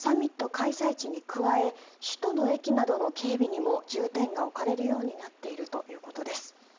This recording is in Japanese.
開催地に加え首都の駅などの警備にも重点が置かれるようになっているということです。